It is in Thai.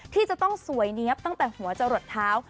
ที่จะต้องสวยเนี๊ยบตั้งแต่หัวจะหลดเท้า